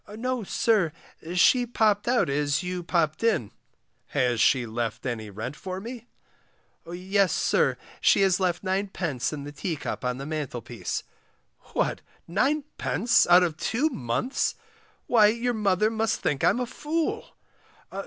No, sir, she popped out as you popped in. Has she left any rent for me? Yes, sir, she has left 9d. in the teacup on the mantlepiece. What, 9d. out of two months. Why your mother must think I'm a fool.